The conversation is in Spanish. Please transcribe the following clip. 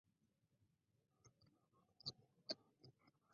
Es muy rápido al corte y un líder dentro del campo.